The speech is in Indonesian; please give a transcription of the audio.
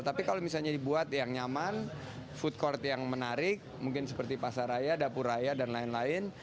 tapi kalau misalnya dibuat yang nyaman food court yang menarik mungkin seperti pasar raya dapur raya dan lain lain